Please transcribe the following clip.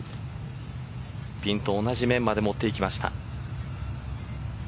ピンと同じ面まで持っていきました。